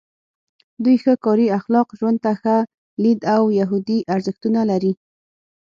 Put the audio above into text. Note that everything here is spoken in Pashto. دوی ښه کاري اخلاق، ژوند ته ښه لید او یهودي ارزښتونه لري.